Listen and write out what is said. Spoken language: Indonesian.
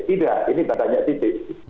tidak ini banyak titik